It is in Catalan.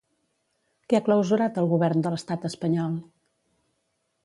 Què ha clausurat el govern de l'estat espanyol?